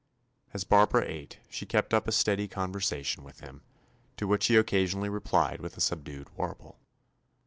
As Barbara ate she kept up a steady conversation with him, to which he occasionally replied with a subdued warble.